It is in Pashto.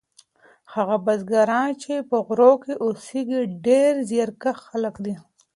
هغه بزګران چې په غرو کې اوسیږي ډیر زیارکښ خلک دي.